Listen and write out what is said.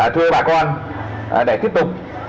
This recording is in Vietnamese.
thưa bà con để tiếp tục